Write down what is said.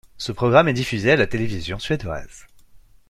Ce programme est diffusé à la télévision suédoise.